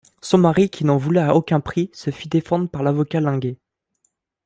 Son mari, qui n'en voulait à aucun prix, se fit défendre par l'avocat Linguet.